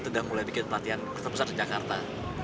sudah mulai bikin pelatihan terbesar di jakarta